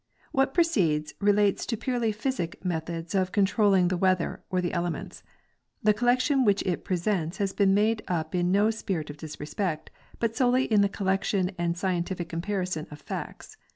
What precedes relates to purely psychic methods of control ling the weather or the elements. The collection which it pre sents has been made in no spirit of disrespect, but solely in that of the collection and scientific comparison of facts.